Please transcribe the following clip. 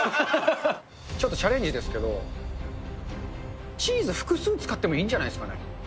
ちょっとチャレンジですけど、チーズ複数使ってもいいんじゃないですかね。